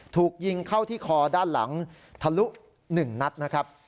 ถูกยิงเข้าที่คอด้านหลังทะลุ๑นัดนะครับ